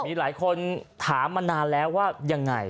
มีหลายคนถามมานานแล้วว่ายังไง